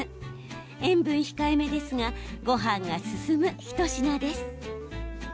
塩分控えめですがごはんが進む一品です。